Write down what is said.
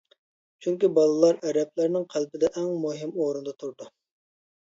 چۈنكى بالىلار ئەرەبلەرنىڭ قەلبىدە ئەڭ مۇھىم ئورۇندا تۇرىدۇ.